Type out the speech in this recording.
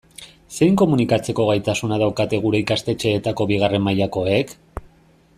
Zein komunikatzeko gaitasuna daukate gure ikastetxeetako bigarren mailakoek?